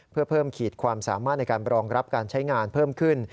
เพื่อเพิ่มขีดความสามารถในการรองรับการใช้งานเพิ่มขึ้น